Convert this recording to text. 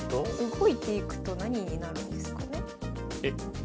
動いていくと何になるんですかね。